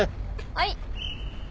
はい。